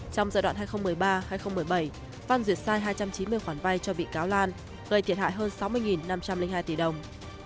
trong giai đoạn hai nghìn một mươi ba hai nghìn một mươi bảy phan duyệt sai hai trăm chín mươi khoản vay cho bị cáo lan gây thiệt hại hơn sáu mươi năm trăm linh hai tỷ đồng